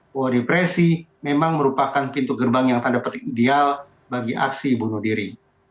bahwa depresi memang merupakan pintu gerbang yang tanda petik ideal bagi aksi bunuh diri